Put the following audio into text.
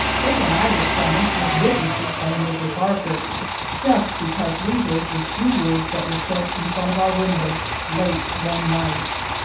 Faye and I were summoned as witnesses by Major Barker, just because we heard a few words that were said in front of our window late one night!